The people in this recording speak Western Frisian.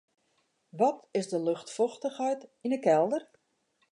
Wat is de luchtfochtichheid yn 'e kelder?